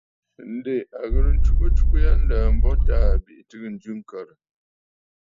Ǹdè a ghɨ̀rə ntsugə atsugə ya nlə̀ə̀ a mbo Taà bìʼì tɨgə jɨ tsiʼì ŋ̀kə̀rə̀.